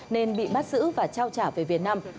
nên bị bắt giữ và trao trả về việt nam